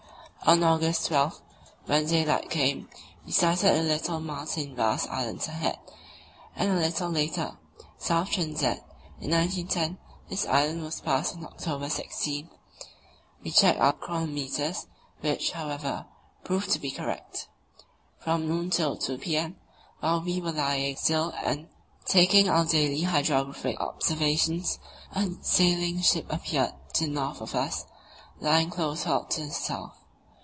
On August 12, when daylight came, we sighted the little Martin Vaz Islands ahead, and a little later South Trinidad (in 1910 this island was passed on October 16). We checked our chronometers, which, however, proved to be correct. From noon till 2 p.m., while we were lying still and taking our daily hydrographic observations, a sailing ship appeared to the north of us, lying close hauled to the south.